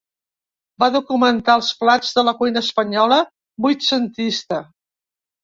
Va documentar els plats de la cuina espanyola vuitcentista.